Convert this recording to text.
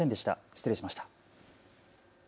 失礼しました。